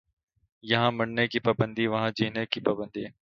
یہاں مرنے کی پابندی وہاں جینے کی پابندی